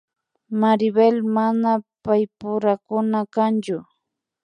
Maribel mana paypurakuna kanchu